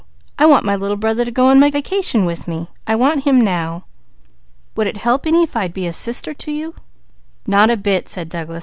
I want my little brother to go on my vacation with me. I want him now." "Would it help any if I'd be a sister to you?" "Not a bit," said Douglas.